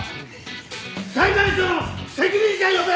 裁判所の責任者呼べ！